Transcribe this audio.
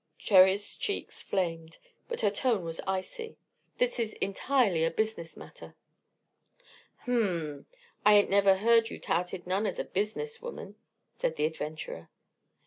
Cherry's cheeks flamed, but her tone was icy. "This is entirely a business matter." "Hm m ! I ain't never heard you touted none as a business woman," said the adventurer.